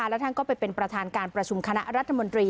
แล้วท่านก็ไปเป็นประธานการประชุมคณะรัฐมนตรี